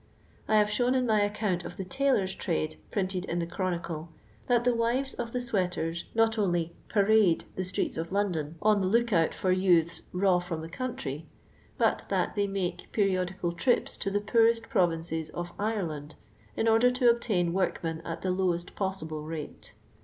1 have shown, in my account of the tailors' trade printed in the ClironicU, that the wives of the sweaters not only parade the streets of London j on the look out for youths raw from the country, , but that they make periodic; il trips to the poorest provinces of Ireland, in order to obtain workmen I at the lowest possible rate.